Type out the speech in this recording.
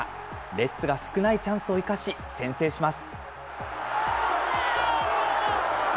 レッズが少ないチャンスを生かし、先制します。